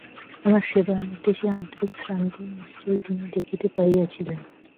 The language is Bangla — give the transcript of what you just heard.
আমার সেবার মধ্যে সেই আন্তরিক শ্রান্তি নিশ্চই তিনি দেখিতে পাইয়াছিলেন।